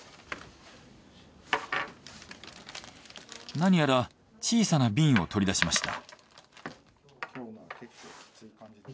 なにやら小さな瓶を取り出しました。